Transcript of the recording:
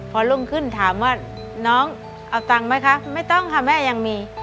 พอรุ่งขึ้นถามว่าน้องเอาตังค์ไหมคะไม่ต้องค่ะแม่ยังมี